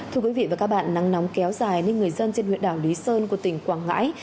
thưa quý vị và các bạn nắng nóng kéo dài nên người dân trên huyện đảo lý sơn của tỉnh quảng ngãi